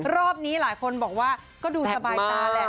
รอบนี้หลายคนบอกว่าก็ดูสบายตาแหละ